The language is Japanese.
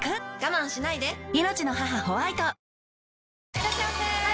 いらっしゃいませ！